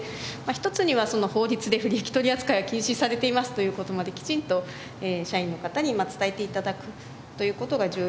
一つには法律で不利益取扱いは禁止されていますという事まできちんと社員の方に伝えて頂くという事が重要だと思います。